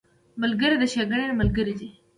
ملګری د ښېګڼې ملګری دی